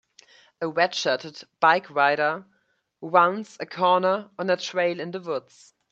A red shirted bike rider rounds a corner on a trail in the woods.